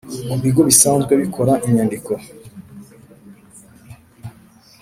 Ku bigo bisanzwe bikora inyandiko